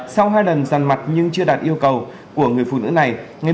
sau hai lần giàn mặt nhưng chưa đạt yêu cầu của người phụ nữ này